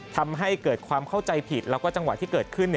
ทำให้เกิดความเข้าใจผิดแล้วก็จังหวะที่เกิดขึ้น